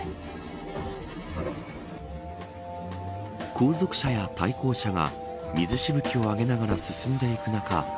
後続車や対向車が水しぶきを上げながら進んでいく中